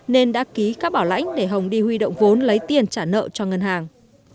nên đã ký các bảo lãnh để hồng đi huy động vốn lấy tiền trả nợ cho ngân hàng